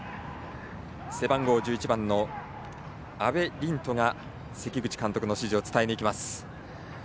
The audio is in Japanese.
背番号１１番の阿部凜叶が関口監督の指示を伝えにいきます。